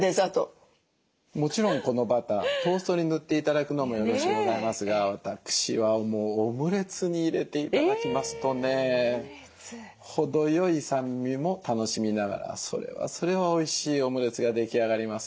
もちろんこのバタートーストに塗って頂くのもよろしゅうございますが私はもうオムレツに入れて頂きますとね程よい酸味も楽しみながらそれはそれはおいしいオムレツが出来上がります。